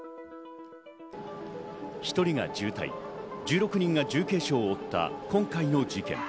１人が重体、１６人が重軽傷を負った今回の事件。